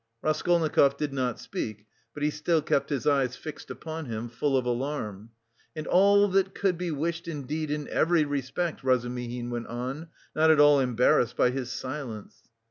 Raskolnikov did not speak, but he still kept his eyes fixed upon him, full of alarm. "And all that could be wished, indeed, in every respect," Razumihin went on, not at all embarrassed by his silence.